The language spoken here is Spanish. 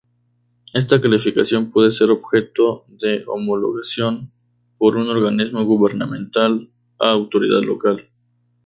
Esta calificación puede ser objeto de homologación por un organismo gubernamental u autoridad local.